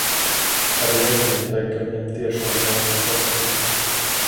Arī es gribu teikt, ka viņam tiešām ir jābūt sargsunim.